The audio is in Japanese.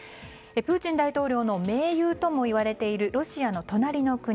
プーチン大統領の盟友とも言われているロシアの隣の国